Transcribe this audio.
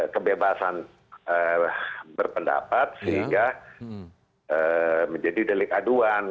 kebebasan berpendapat sehingga menjadi delik aduan